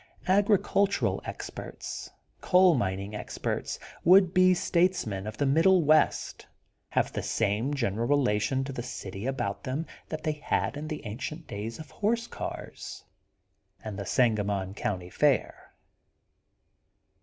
Agricultural experts, coal mining experts, would be statesmen of the middle west, have the same general relation to the city about them that they had in the ancient days of the horse cars, and the Sanga mon County Fair.